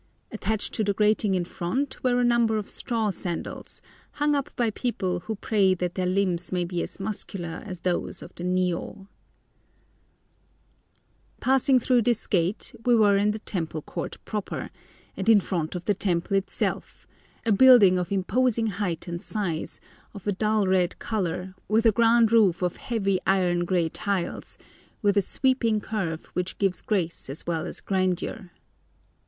Attached to the grating in front were a number of straw sandals, hung up by people who pray that their limbs may be as muscular as those of the Ni ô. Passing through this gate we were in the temple court proper, and in front of the temple itself, a building of imposing height and size, of a dull red colour, with a grand roof of heavy iron grey tiles, with a sweeping curve which gives grace as well as grandeur.